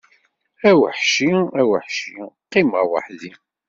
A weḥci, a weḥci, qqimeɣ weḥdi!